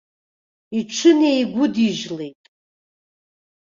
Иҽынеигәыдижьлеит.